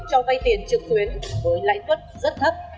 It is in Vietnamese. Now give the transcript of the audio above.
cho vay tiền trực tuyến với lãi suất rất thấp